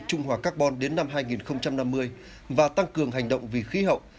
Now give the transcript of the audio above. trung hòa carbon đến năm hai nghìn năm mươi và tăng cường hành động vì khí hậu